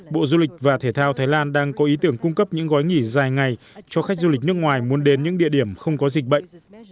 bộ du lịch và thể thao thái lan đang có ý tưởng cung cấp những gói nghỉ dài ngày cho khách du lịch nước ngoài muốn đến những địa điểm không có dịch bệnh